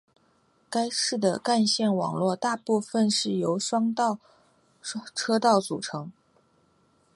该市的干线网络大部分是由双线道路组成。